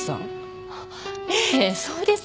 ええそうです。